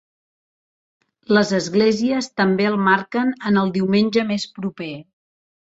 Les esglésies també el marquen en el diumenge més proper.